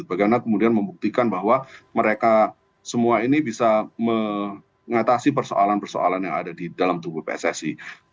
karena kemudian membuktikan bahwa mereka semua ini bisa mengatasi persoalan persoalan yang ada di dalam tubuh pssi